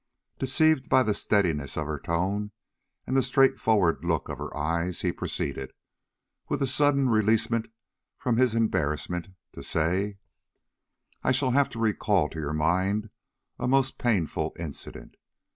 Deceived by the steadiness of her tone and the straightforward look of her eyes, he proceeded, with a sudden releasement from his embarrassment, to say: "I shall have to recall to your mind a most painful incident.